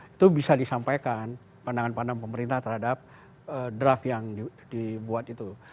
itu bisa disampaikan pandangan pandangan pemerintah terhadap draft yang dibuat itu